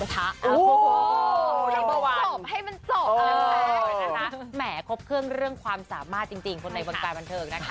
แหมครบเครื่องเรื่องความสามารถจริงคนในวงการบันเทิงนะคะ